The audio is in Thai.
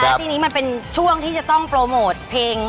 แล้วทีนี้มันเป็นช่วงที่จะต้องโปรโมทเพลง